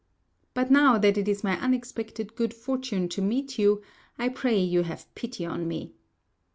But now that it is my unexpected good fortune to meet you, I pray you have pity on me."